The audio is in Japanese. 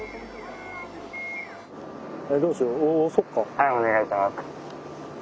はいお願いします。